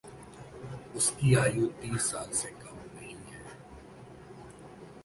उसकी आयु तीस साल से कम नहीं है।